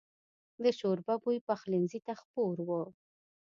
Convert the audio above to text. د شوربه بوی پخلنځي ته خپور و.